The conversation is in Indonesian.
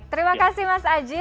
terima kasih mas aji